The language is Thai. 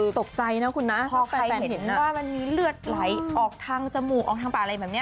พอแฟนเห็นว่ามันมีเลือดไหลออกทางจมูกออกทางปลาอะไรแบบนี้